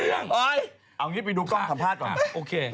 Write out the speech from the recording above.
เอาอย่างนี้ไปดูกล้องสัมภาษณ์ก่อน